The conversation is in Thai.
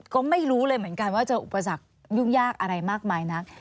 ก็ไม่รู้เลยเหมือนกันว่าเจออุปสรรคยุ่งยากอะไรมากมายนัก